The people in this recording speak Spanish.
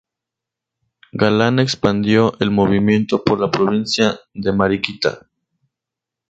Galán expandió el movimiento por la provincia de Mariquita.